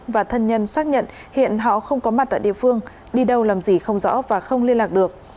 và thân nhân xác nhận hiện họ không có mặt tại địa phương đi đâu làm gì không rõ và không liên lạc được